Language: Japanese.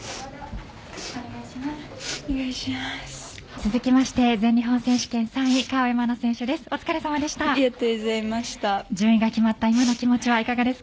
続きまして全日本選手権３位河辺愛菜選手です。